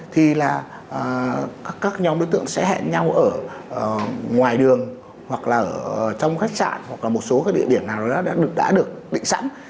thì các nhóm đối tượng sẽ hẹn nhau ở ngoài đường hoặc là trong khách sạn hoặc là một số địa điểm nào đó đã được định sẵn